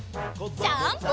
ジャンプ！